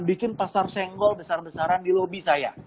bikin pasar senggol besar besaran di lobi saya